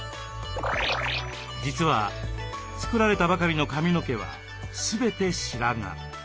実は作られたばかりの髪の毛は全て白髪。